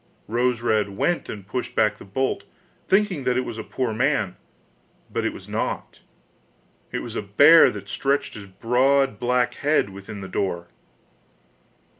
Rose red went and pushed back the bolt, thinking that it was a poor man, but it was not; it was a bear that stretched his broad, black head within the door.